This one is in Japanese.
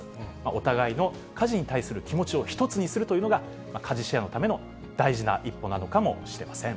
お互いの家事に対する気持ちを１つにするというのが、家事シェアのための大事な一歩なのかもしれません。